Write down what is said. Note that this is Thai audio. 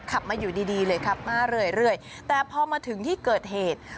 ขับมาอยู่ดีดีเลยขับมาเรื่อยแต่พอมาถึงที่เกิดเหตุ